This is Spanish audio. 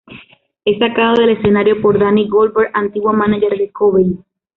Es sacado del escenario por Danny Goldberg, antiguo mánager de Cobain.